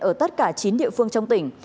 ở tất cả chín địa phương trong tỉnh